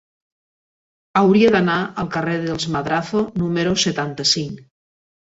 Hauria d'anar al carrer dels Madrazo número setanta-cinc.